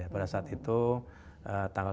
pada saat itu tanggal